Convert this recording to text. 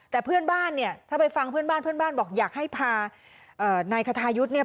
แต่เพื่อนบ้านเนี่ยถ้าไปฟังเพื่อนบ้านเพื่อนบ้านบอกอยากให้พานายคทายุทธ์เนี่ย